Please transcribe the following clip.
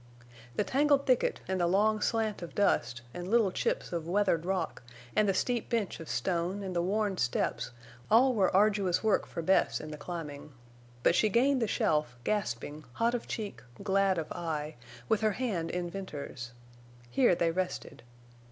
The tangled thicket and the long slant of dust and little chips of weathered rock and the steep bench of stone and the worn steps all were arduous work for Bess in the climbing. But she gained the shelf, gasping, hot of cheek, glad of eye, with her hand in Venters's. Here they rested.